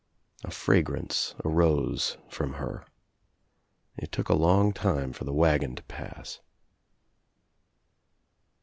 A fragrance arose from her. It took a long time for the wagon to pass.